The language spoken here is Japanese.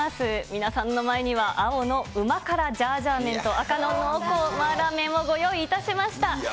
皆さんの前には、青の旨辛ジャージャー麺と、赤の濃厚麻辣麺をご用意いたしました。